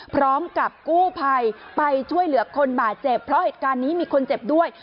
พร้อมกับกู้ภัยไปช่วยเหลือคนบาดเจ็บเพราะเหตุการณ์นี้มีคนเจ็บด้วย